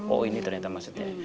oh ini ternyata maksudnya